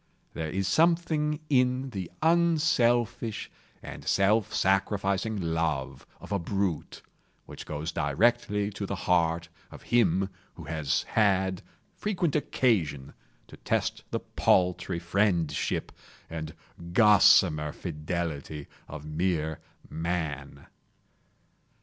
There is something in the unselfish and self sacrificing love of a brute, which goes directly to the heart of him who has had frequent occasion to test the paltry friendship and gossamer fidelity of mere Man.